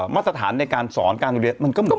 มัตต์สถานในการสอนการเรียนมันก็เหมือนกัน